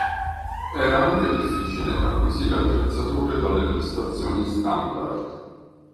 Era anche difficile acquisire attrezzature dalle prestazioni standard.